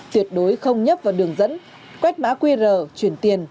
tuyệt đối không nhấp vào đường dẫn quét mã qr chuyển tiền